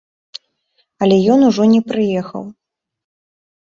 Але ён ужо не прыехаў.